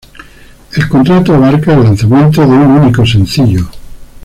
El contrato abarcaba el lanzamiento de un único sencillo.